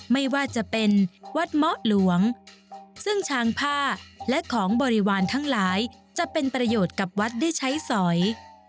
ไม่ว่าจะเป็นวัดเมาะหลวงซึ่งช้างผ้าและของบริวารทั้งหลายจะเป็นประโยชน์กับวัดได้ใช้สอย